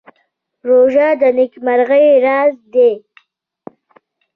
روژه د نېکمرغۍ راز دی.